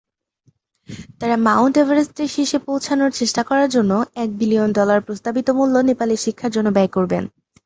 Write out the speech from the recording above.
তারা মাউন্ট এভারেস্টের শীর্ষে পৌঁছানোর চেষ্টা করার জন্য এক মিলিয়ন ডলার প্রস্তাবিত মূল্য নেপালের শিক্ষার জন্য ব্যয় করবেন।